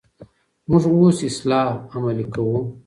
موږ اوس اصلاح عملي کوو.